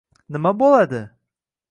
nima bo‘ladi?